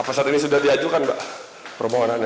apa saat ini sudah diajukan mbak permohonannya